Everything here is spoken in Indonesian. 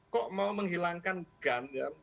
kok mau menghilangkan gun ya